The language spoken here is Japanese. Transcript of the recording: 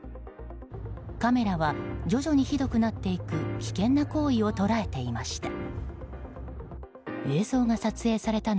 カメラは徐々にひどくなっていく危険な行為を捉えていました。